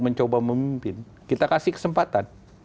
mencoba memimpin kita kasih kesempatan